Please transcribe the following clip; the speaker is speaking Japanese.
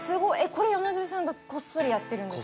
これ山添さんがこっそりやってるんですか？